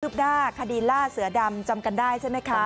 หน้าคดีล่าเสือดำจำกันได้ใช่ไหมคะ